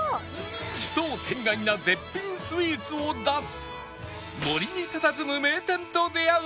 奇想天外な絶品スイーツを出す